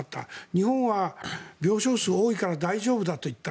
日本は病床数、多いから大丈夫だといった。